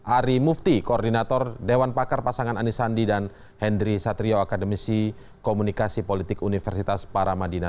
ari mufti koordinator dewan pakar pasangan anisandi dan hendri satrio akademisi komunikasi politik universitas paramadina